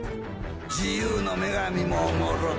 自由の女神ももろうた。